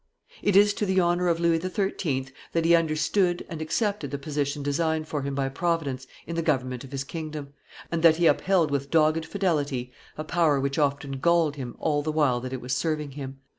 It is to the honor of Louis XIII. that he understood and accepted the position designed for him by Providence in the government of his kingdom, and that he upheld with dogged fidelity a power which often galled him all the while that it was serving him.